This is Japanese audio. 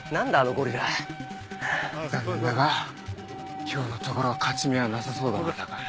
残念だが今日のところは勝ち目はなさそうだなタカ。